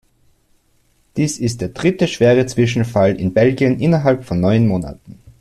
Dies ist der dritte schwere Zwischenfall in Belgien innerhalb von neun Monaten.